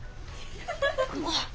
もう！